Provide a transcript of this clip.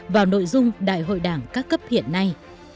vào nội dung đại hội đảng các cấp hiện nay